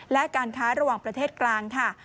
และการค้าระหว่างประเทศกลางค่ะ